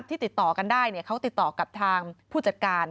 ติดต่อกันได้เขาติดต่อกับทางผู้จัดการ